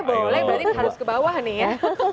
boleh berarti harus ke bawah nih ya